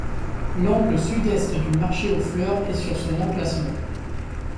L'angle Sud-Est du marché aux Fleurs est sur son emplacement.